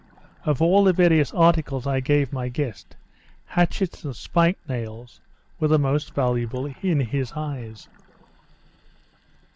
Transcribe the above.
Of all the various articles I gave my guest, hatchets and spike nails were the most valuable in his eyes.